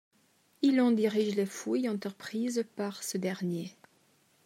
Il en dirige les fouilles entreprises par ce dernier.